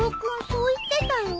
そう言ってたよ。